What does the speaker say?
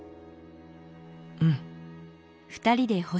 「うん」。